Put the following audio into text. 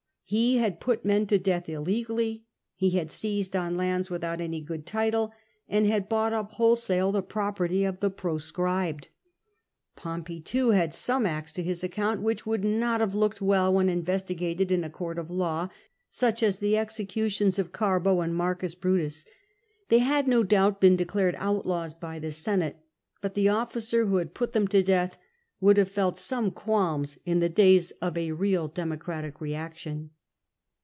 He had put men to death illegally, had seized on lands without any good title, and had bought up whole sale the property of the proscribed. Pompey, too, had some acts to his account which would not have looked well when investigated in a court of law, such as the executions of Carbo and M. Brutus. They had, no doubt, been declared outlaws by the Senate, but the officer who had put them to death would have felt some qualms in the days of a real Democratic reaction.